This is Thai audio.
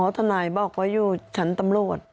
ทนายบอกว่าอยู่ชั้นตำรวจ